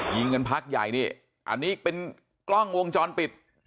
ยิงกันพักใหญ่นี่อันนี้เป็นกล้องวงจรปิด